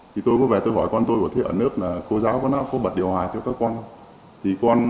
thì tôi có vẻ tôi hỏi con tôi ở nước là cô giáo có nắp cô bật điều hòa cho các con không